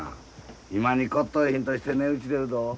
今に骨とう品として値打ち出るど。